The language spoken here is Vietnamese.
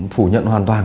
phủ nhận hoàn toàn